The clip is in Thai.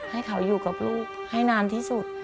ให้เขาอยู่กับลูกให้นานที่สุด